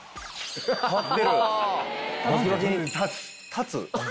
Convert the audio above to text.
立つ？